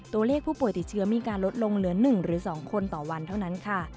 ตัวเลขผู้ป่วยติดเชื้อมีการลดลงเหลือ๑หรือ๒คนต่อวันเท่านั้นค่ะ